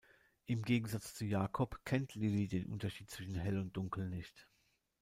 Im Gegensatz zu Jakob kennt Lilly den Unterschied zwischen hell und dunkel nicht.